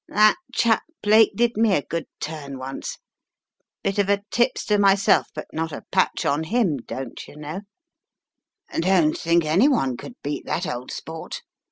"That chap Blake did me a good turn once, bit of a tipster myself, but not a patch on him, dontcher know/' "Don't think any one could beat that old sport!"